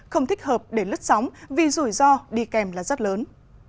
không thích hợp để lứt sóng vì rủi ro đi kèm là rất lớn